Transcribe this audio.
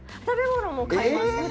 食べ物も買います